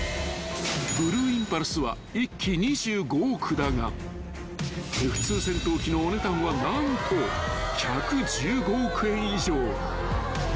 ［ブルーインパルスは１機２５億だがＦ−２戦闘機のお値段は何と１１５億円以上］